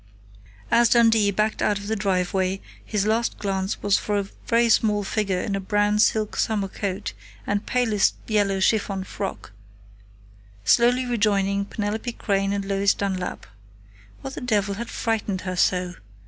As Dundee backed out of the driveway his last glance was for a very small figure in a brown silk summer coat and palest yellow chiffon frock, slowly rejoining Penelope Crain and Lois Dunlap. What the devil had frightened her so?